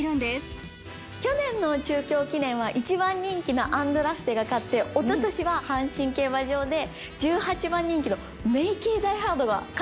去年の中京記念は１番人気のアンドラステが勝っておととしは阪神競馬場で１８番人気のメイケイダイハードが勝ったんですよね。